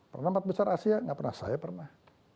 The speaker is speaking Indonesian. pernah empat besar asia nggak pernah saya pernah